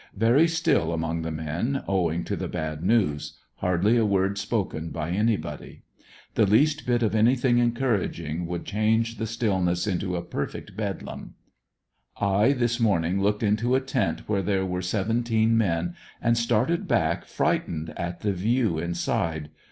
Very still among the men, owing to the bad news — hardly a word spoken by anybody. The least bit off anything encouraging would change the stillness into a perfect bedlam. I tuis morning looked into a tent where there were seven teen men and started back frightened at the view inside.